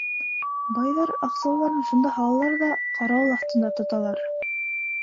Байҙар, аҡсаларын шунда һалалар ҙа ҡарауыл аҫтында тоталар.